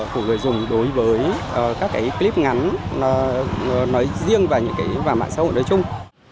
của người dùng đối với các cái clip ngắn nói riêng và mạng xã hội nói chung